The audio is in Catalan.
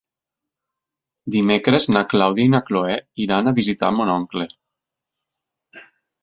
Dimecres na Clàudia i na Cloè iran a visitar mon oncle.